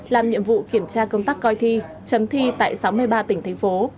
làm nhiệm vụ kiểm tra công tác coi thi chấm thi tại sáu mươi ba tỉnh thành phố